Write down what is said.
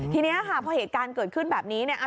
ทีนี้ค่ะพอเหตุการณ์เกิดขึ้นแบบนี้เนี่ย